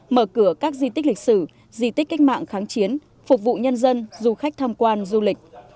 mở cửa các di tích lịch sử di tích cách mạng kháng chiến phục vụ nhân dân du khách tham quan du lịch